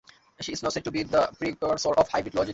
He is now said to be the precursor of hybrid logic.